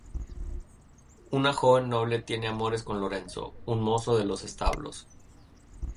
Una joven noble tiene amores con Lorenzo, un mozo de los establos.